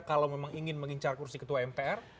kalau memang ingin mengincar kursi ketua mpr